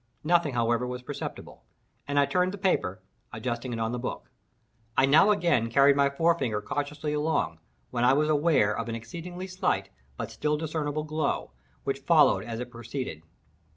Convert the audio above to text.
Nothing, however, was perceptible, and I turned the paper, adjusting it on the book. I now again carried my forefinger cautiously along, when I was aware of an exceedingly slight, but still discernable glow, which followed as it proceeded.